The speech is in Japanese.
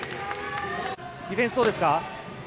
ディフェンスどうですか。